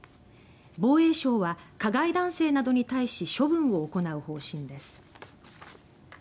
防衛省は加害男性などに対し処分を行う方針です。